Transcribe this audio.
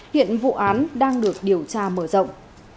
hiện vụ án đang được điều tra mở rộng